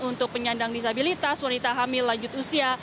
untuk penyandang disabilitas wanita hamil lanjut usia